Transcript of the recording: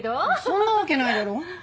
そんなわけないだろ。